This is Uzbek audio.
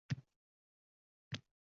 Аyon boʼlur sizga mutlaq